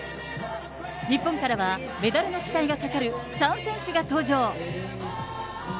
日本からは、メダルの期待がかかる３選手が登場。